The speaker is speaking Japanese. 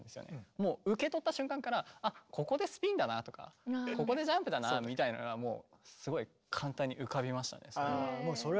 もう受け取った瞬間から「あっここでスピンだな」とか「ここでジャンプだな」みたいなのはもうすごい簡単に浮かびましたねそれは。